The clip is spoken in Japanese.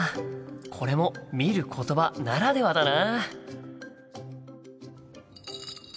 これも「見ることば」ならではだな。